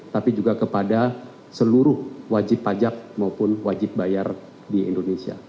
tapi juga kepada seluruh wajib pajak maupun wajib bayar di indonesia